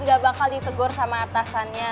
gak bakal ditegur sama atasannya